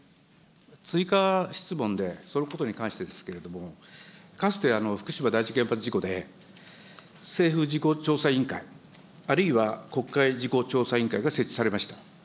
追加質問で、そのことに関してですけれども、かつて福島第一原発事故で、政府事故調査委員会、あるいは国会事故調査委員会が設置されました。